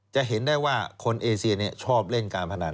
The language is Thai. จะเห็นได้ว่าคนเอเซียชอบเล่นการพนัน